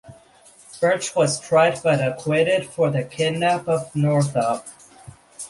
Birch was tried but acquitted for the kidnap of Northup.